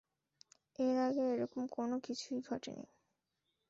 এর আগে এরকম কোনও কিছুই ঘটেনি।